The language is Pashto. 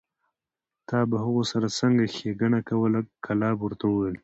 تا به هغو سره څنګه ښېګڼه کوله؟ کلاب ورته وویل: